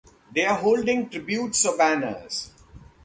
They are holding tributes or banners.